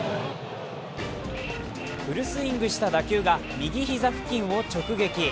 フルスイングした打球が右膝付近を直撃。